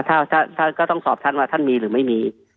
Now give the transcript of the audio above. ถ้าท่านก็ต้องสอบท่านว่าท่านมีหรือไม่มี